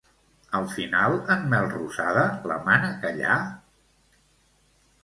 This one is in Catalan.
Al final en Melrosada la mana callar?